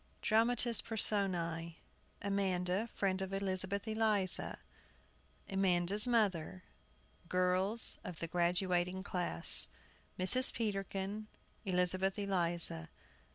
Dramatis Personæ. Amanda (friend of Elizabeth Eliza), Amanda's mother, girls of the graduating class, Mrs. Peterkin, Elizabeth Eliza.